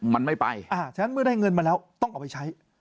มันไม่ไปฉะนั้นเมื่อได้เงินมาแล้วต้องเอาไปใช้